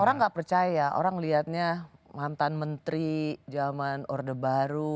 orang gak percaya orang liatnya mantan menteri jaman orde baru